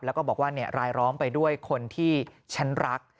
แล้วก็บอกว่ารายร้องไปด้วยคนที่ฉันรัก